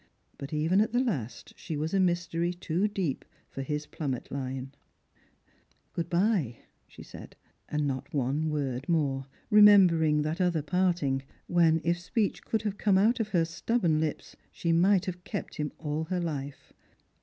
But even at the last she was a mystery too deep for his plummet line. " Good bye," she said, and not one word more, remembering that other parting, when, if speech could have come out of her stubborn lips, she might have kept him all her life.